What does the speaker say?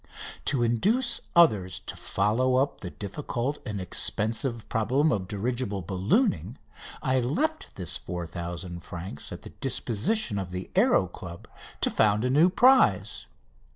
To induce others to follow up the difficult and expensive problem of dirigible ballooning I left this 4000 francs at the disposition of the Aéro Club to found a new prize.